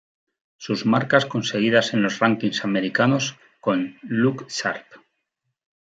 Sus marcas conseguidas en los rankings americanos con “"Look Sharp!